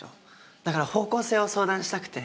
だから方向性を相談したくて。